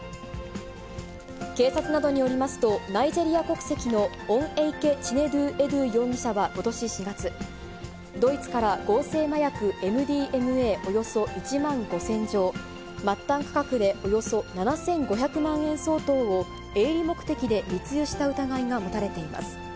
警察などによりますと、ナイジェリア国籍の、オンエイケ・チネドゥ・エドゥ容疑者はことし４月、ドイツから合成麻薬ＭＤＭＡおよそ１万５０００錠、末端価格でおよそ７５００万円相当を営利目的で密輸した疑いが持たれています。